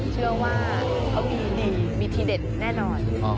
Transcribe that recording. เชื่อว่าเขามีดีมีทีเด็ดแน่นอน